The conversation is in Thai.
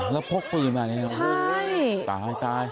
แล้วพกปืนแบบนี้เหรอตาย